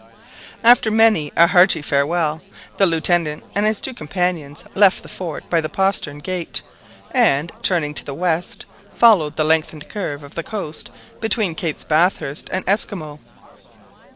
After many a hearty farewell, the Lieutenant and his two companions left the fort by the postern gate, and, turning to the west, followed the lengthened curve of the coast between Capes Bathurst and Esquimaux.